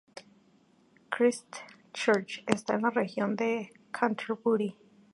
Christchurch está en la región de Canterbury.